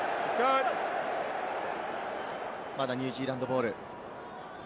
まだニュージーランドボール。